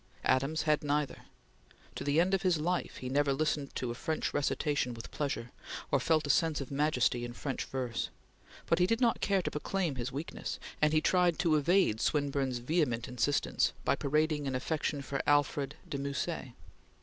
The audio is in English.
Adams had neither. To the end of his life he never listened to a French recitation with pleasure, or felt a sense of majesty in French verse; but he did not care to proclaim his weakness, and he tried to evade Swinburne's vehement insistence by parading an affection for Alfred de Musset.